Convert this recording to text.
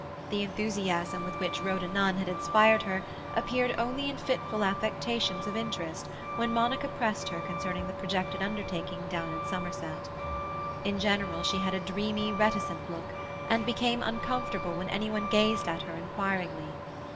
The enthusiasm with which Rhoda Nunn had inspired her appeared only in fitful affectations of interest when Monica pressed her concerning the projected undertaking down in Somerset. In general she had a dreamy, reticent look, and became uncomfortable when any one gazed at her inquiringly.